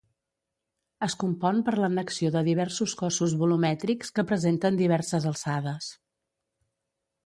Es compon per l'annexió de diversos cossos volumètrics que presenten diverses alçades.